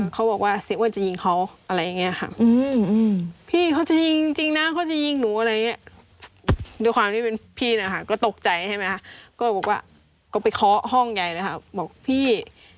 เขาบอกว่าเสียวันจะยิงเขาอะไรอย่างนี้ค่ะพี่เขาจะยิงจริงนะเขาจะยิงหนูอะไรอย่างนี้